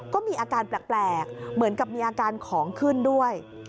ก็มีอาการแปลกเหมือนกับมีอาการของขึ้นด้วย